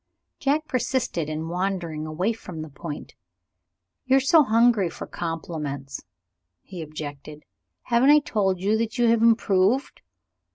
Jack persisted in wandering away from the point. "You are so hungry for compliments," he objected. "Haven't I told you that you have improved?